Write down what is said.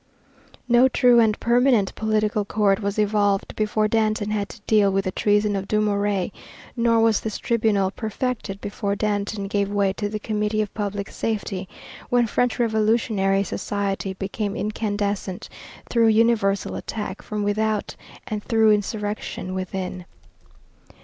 No true and permanent political court was evolved before Danton had to deal with the treason of Dumouriez, nor was this tribunal perfected before Danton gave way to the Committee of Public Safety, when French revolutionary society became incandescent, through universal attack from without and through insurrection within.